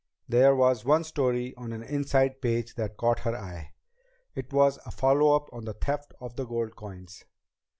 There was one story on an inside page that caught her eye. It was a follow up on the theft of the gold coins.